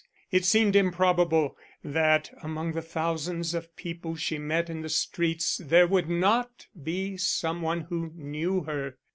It seemed improbable that among the thousands of people she met in the streets there would not be some one who knew her.